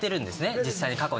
実際に過去に。